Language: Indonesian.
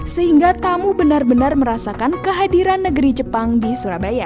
sehingga tamu benar benar merasakan kehadiran negeri jepang di surabaya